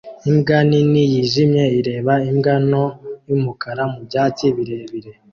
Imbwa nini yijimye ireba imbwa nto yumukara mubyatsi birebire